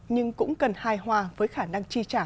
nhưng cũng cần hài hòa với khả năng chi trả